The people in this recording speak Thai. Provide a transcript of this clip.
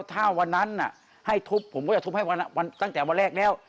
ถ้าวันนั้นให้ทุบผมก็จะทุบให้ตั้งแต่วันแรกแล้ว